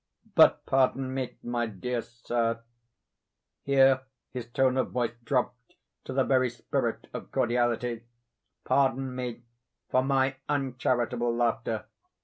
But pardon me, my dear sir, (here his tone of voice dropped to the very spirit of cordiality,) pardon me for my uncharitable laughter.